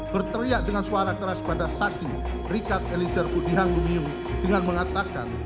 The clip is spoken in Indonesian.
berteriak dengan suara keras pada saksi rikat elisir udihanguniu dengan mengatakan